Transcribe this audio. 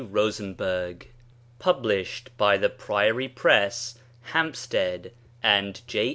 ROSENBERG Published by THE PRIORY PRESS, HAMPSTEAD AND J.